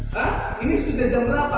pak ini sudah jam berapa